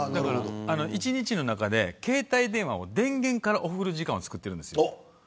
一日の中で携帯電話を電源からオフる時間を作ってるんです。